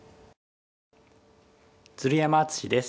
鶴山淳志です。